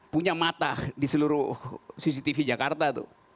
punya mata di seluruh cctv jakarta tuh